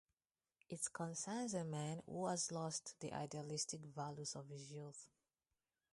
It concerns a man who has lost the idealistic values of his youth.